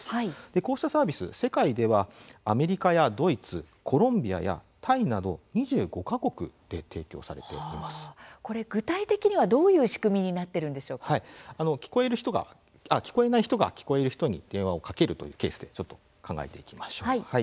こうしたサービス、世界ではアメリカ、ドイツ、コロンビアタイなど具体的にはどういう仕組み聞こえない人が聞こえる人に電話をかける場合でご紹介しましょう。